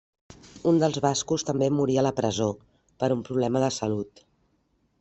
Un dels bascos també morí a la presó, per un problema de salut.